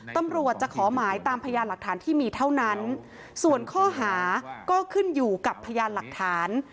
ตำรวจจะขอหมายตามพยานหลักฐานที่มีเท่านั้นส่วนข้อหาก็ขึ้นอยู่กับพยานหลักฐาน